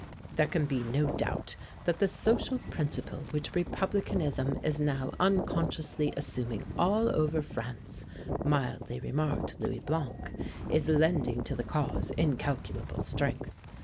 "There can be no doubt that the social principle which Republicanism is now unconsciously assuming all over France," mildly remarked Louis Blanc, "is lending to the cause incalculable strength.